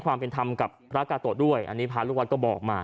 ความเป็นธรรมกับพระกาโตะด้วยอันนี้พระลูกวัดก็บอกมา